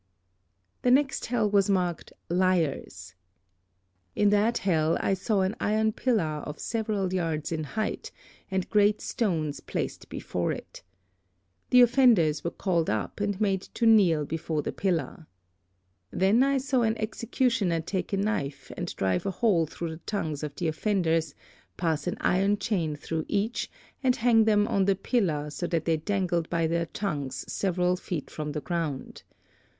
"The next hell was marked, 'Liars.' In that hell I saw an iron pillar of several yards in height, and great stones placed before it. The offenders were called up, and made to kneel before the pillar. Then I saw an executioner take a knife and drive a hole through the tongues of the offenders, pass an iron chain through each, and hang them to the pillar so that they dangled by their tongues several feet from the ground.